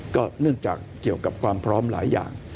ก็เนื่องจากเกี่ยวกับความพร้อมหลายอย่าง